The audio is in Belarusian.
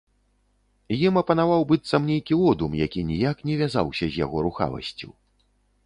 Ім апанаваў быццам нейкі одум, які ніяк не вязаўся з яго рухавасцю.